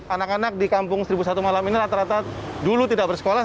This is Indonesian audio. anak anak di kampung seribu satu malam ini rata rata dulu tidak bersekolah